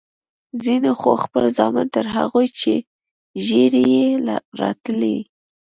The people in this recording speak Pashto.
ځينو خو خپل زامن تر هغو چې ږيرې يې راتلې.